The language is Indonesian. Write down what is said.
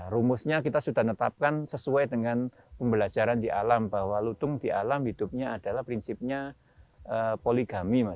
rumusnya kita sudah menetapkan sesuai dengan pembelajaran di alam bahwa lutung di alam hidupnya adalah prinsipnya poligami